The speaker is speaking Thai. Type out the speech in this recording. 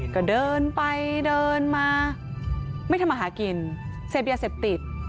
ก็เดินไปเดินมาไม่ทำอาหารกินเสพยาเสพติด